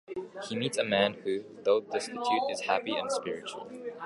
He meets a man who, though destitute, is happy and spiritual.